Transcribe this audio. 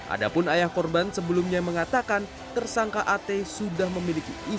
ada pun ayah korban sebelumnya mengatakan tersangka at sudah memiliki istri dan anak